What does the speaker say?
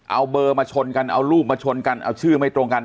เอาเบอร์มาชนกันเอารูปมาชนกันเอาชื่อไม่ตรงกัน